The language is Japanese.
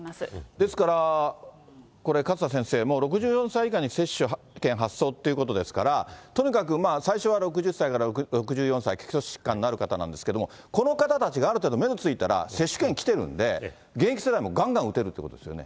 ですから、これ、勝田先生、もう６４歳以下に接種券発送っていうことですから、とにかく最初は６０歳から６４歳、基礎疾患のある方なんですけれども、この方たちがある程度メドついたら接種券来てるんで、現役世代もがんがん打てるっていうことですよね。